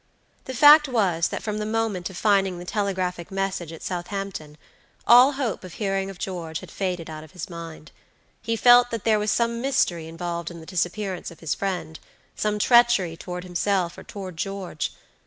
The fact was, that from the moment of finding the telegraphic message at Southampton, all hope of hearing of George had faded out of his mind. He felt that there was some mystery involved in the disappearance of his friendsome treachery toward himself, or toward George.